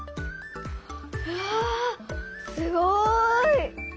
うわすごい！